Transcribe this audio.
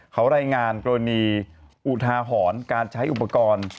เขารายงานกรณีอุทาหรณ์การใช้อุปกรณ์